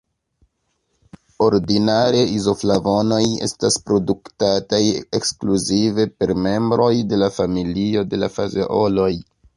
Ordinare izoflavonoj estas produktataj ekskluzive per membroj de la familio de la fazeoloj.